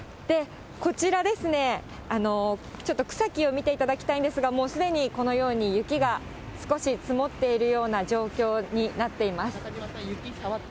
こちらですね、ちょっと草木を見ていただきたいんですが、もうすでにこのように雪が少し積もっているような状況になっています。